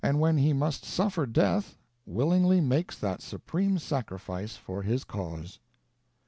when he must suffer death, willingly makes that supreme sacrifice for his cause.